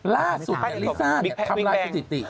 ล่าสุดลิซ่าทำลายสถิติ